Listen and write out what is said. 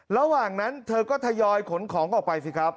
ระหว่างนั้นเธอก็ทยอยขนของออกไปสิครับ